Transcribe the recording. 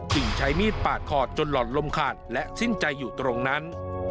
ใช้มีดปาดคอจนหลอดลมขาดและสิ้นใจอยู่ตรงนั้น